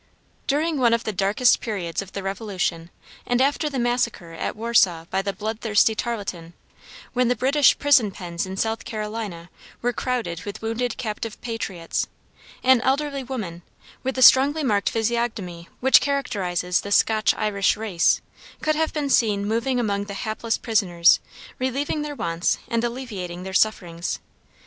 During one of the darkest periods of the Revolution, and after the massacre at Warsaw by the bloodthirsty Tarleton, when the British prison pens in South Carolina were crowded with wounded captive patriots, an elderly woman, with the strongly marked physiognomy which characterizes the Scotch Irish race, could have been seen moving among the hapless prisoners, relieving their wants and alleviating their sufferings.